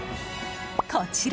こちら！